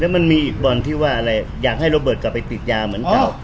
มันมีอีกบอลที่ว่าอะไรอยากให้โรเบิร์ตกลับไปติดยาเหมือนเก่า